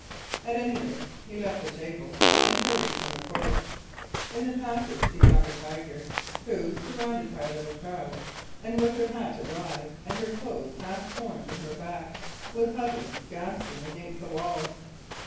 At any rate, he left the table and hurried from the court. In the passage he found the Tiger, who, surrounded by a little crowd, her hat awry and her clothes half torn from her back, was huddled gasping against the wall.